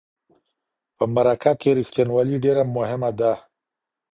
په مرکه کې رښتینولي ډیره مهمه ده.